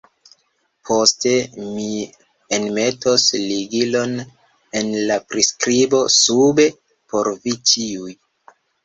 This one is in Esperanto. Poste mi enmetos ligilon en la priskribo sube por vi ĉiuj.